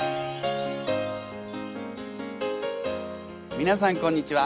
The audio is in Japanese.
皆さんこんにちは。